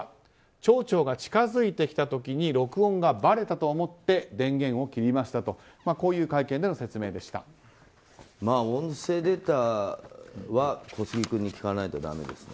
町長が近づいてきた時に録音がばれたと思って電源を切りましたと音声データは小杉君に聞かないとだめですね。